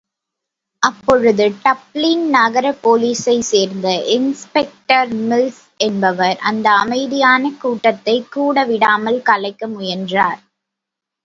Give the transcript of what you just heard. அப்பொழுது டப்ளின் நகரப்போலிஸைச் சேர்ந்த இன்ஸ்பெக்டர் மில்ஸ் என்பவர்.அந்த அமைதியான கூட்டத்தைக் கூடவிடாமல் கலைக்க முயன்றார்.